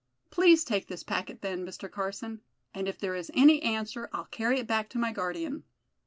Please take this packet, then, Mr. Carson; and if there is any answer I'll carry it back to my guardian."